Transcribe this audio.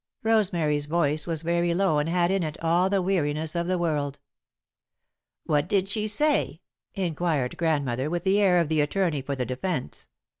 Rosemary's voice was very low and had in it all the weariness of the world. "What did she say?" inquired Grandmother, with the air of the attorney for the defence.